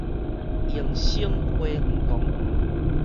榮星花園公園